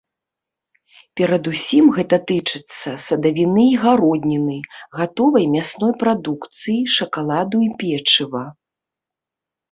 Перадусім гэта тычыцца садавіны і гародніны, гатовай мясной прадукцыі, шакаладу і печыва.